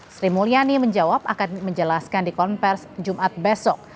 sri mulyani menjawab akan menjelaskan di konversi jumat besok